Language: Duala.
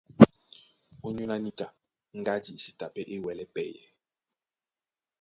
Ónyólá níka, ŋgádi e sí ta pɛ́ é wɛlɛ́ pɛyɛ.